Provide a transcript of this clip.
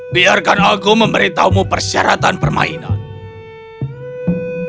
biarkan aku memberitahumu persyaratan permainan